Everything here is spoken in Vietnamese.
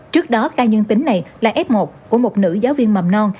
trước đó ca dương tính này là f một của một nữ giáo viên mầm non